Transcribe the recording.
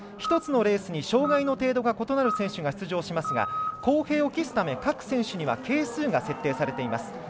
１つのレースに障がいの程度が異なる選手が出場しますが、公平を期すため各選手には係数が設定されています。